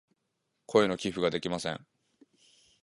声の寄付ができません。